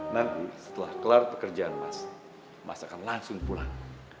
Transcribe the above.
nanti setelah kelar pekerjaan mas mas akan langsung pulang